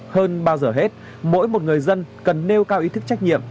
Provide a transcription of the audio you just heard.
hơn bao giờ hết mỗi một người dân cần nêu cao ý thức trách nhiệm